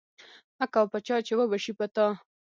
ـ مه کوه په چا ،چې وبشي په تا.